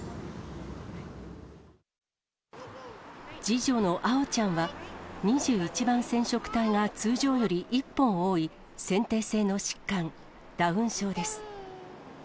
次女の青色ちゃんは、２１番染色体が通常より１本多い先天性の疾患、ダウン症です。